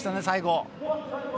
最後。